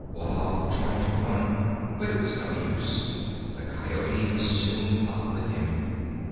Wahb tried to run, but it was no use; the Coyote was soon up with him.